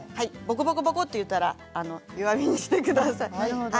ボコボコっていったら弱くしてください。